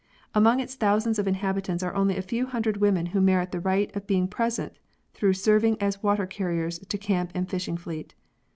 Among its thousands of inhabitants are only a few hundred women who merit the right of being present through serving as water carriers to camp and fishing fleet.